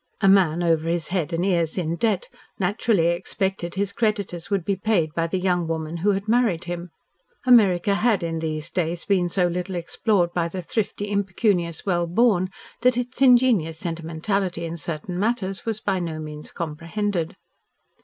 A man over his head and ears in debt naturally expected his creditors would be paid by the young woman who had married him. America had in these days been so little explored by the thrifty impecunious well born that its ingenuous sentimentality in certain matters was by no means comprehended.